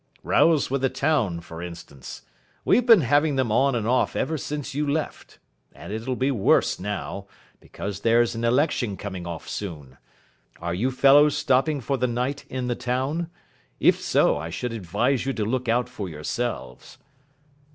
Rows with the town, for instance. We've been having them on and off ever since you left. And it'll be worse now, because there's an election coming off soon. Are you fellows stopping for the night in the town? If so, I should advise you to look out for yourselves."